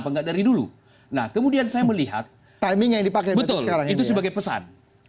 nah kemudian saya melihat betul itu sebagai pesan